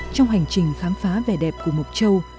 trong hành trình khám phá vẻ đẹp của mộc châu